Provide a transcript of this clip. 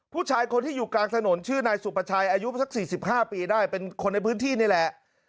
ผู้ชายคนที่อยู่กลางถนนชื่อนายสุประชัยอายุสัก๔๕ปีได้เป็นคนในพื้นที่นี่แหละ